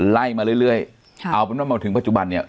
ไล่มาเรื่อยเอามาถึงปัจจุบันเนี่ย